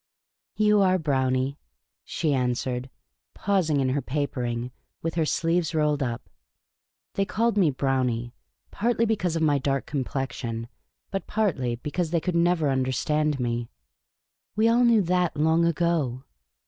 " You are. Brownie," she answered, pausing in her paper ing, with her sleeves rolled up — they called me " Brownie," partly because of ni)'^ dark complexion, but partly because they could never understand me. " We all knew that long ago."